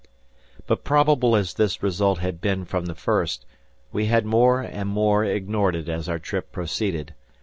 But probable as this result had been from the first, we had more and more ignored it as our trip proceeded.